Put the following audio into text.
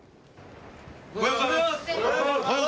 おはようございます。